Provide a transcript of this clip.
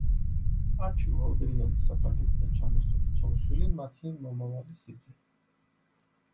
არჩილ ორბელიანის საფრანგეთიდან ჩამოსული ცოლ-შვილი, მათი მომავალი სიძე.